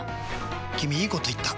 君いいこと言った！